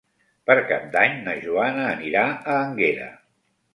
Per Cap d'Any na Joana anirà a Énguera.